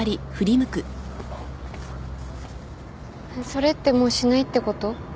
それってもうしないってこと？